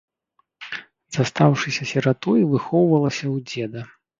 Застаўшыся сіратой, выхоўвалася ў дзеда.